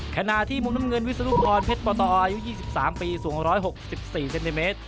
ขณะที่มุมน้ำเงินวิศนุพรเพชรปตอายุ๒๓ปีสูง๑๖๔เซนติเมตร